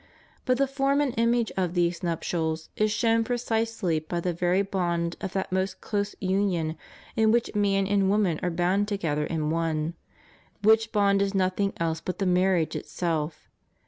But the form and image of these nuptials is shown precisely by the very bond of that most close union in which man and woman are bound together in one ; which bond is nothing else but the marriage itself.